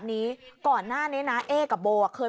พี่ขอโทษกว่าไม่ได้พี่ขอโทษกว่าไม่ได้